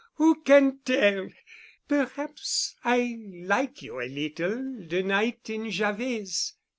Who can tell? Perhaps I like' you a little de night in Javet's.